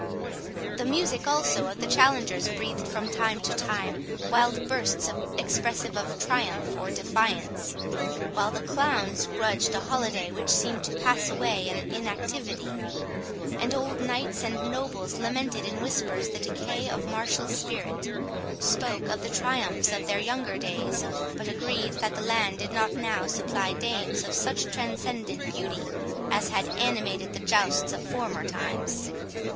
The music also of the challengers breathed from time to time wild bursts expressive of triumph or defiance, while the clowns grudged a holiday which seemed to pass away in inactivity; and old knights and nobles lamented in whispers the decay of martial spirit, spoke of the triumphs of their younger days, but agreed that the land did not now supply dames of such transcendent beauty as had animated the jousts of former times.